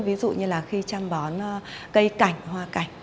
ví dụ như là khi chăm bón cây cảnh hoa cảnh